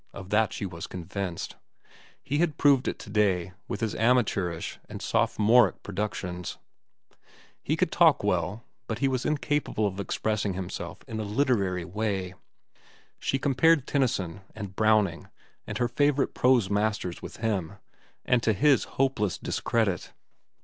Of that she was convinced. He had proved it to day, with his amateurish and sophomoric productions. He could talk well, but he was incapable of expressing himself in a literary way. She compared Tennyson, and Browning, and her favorite prose masters with him, and to his hopeless discredit.